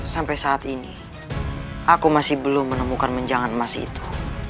sampai saat ini aku masih belum menemukan menjangan emas itu